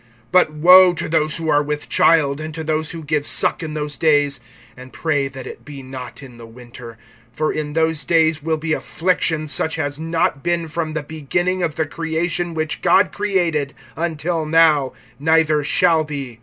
(17)But woe to those who are with child, and to those who give suck in those days! (18)And pray that it be not in the winter. (19)For in those days will be affliction, such as has not been from the beginning of the creation which God created until now, neither shall be.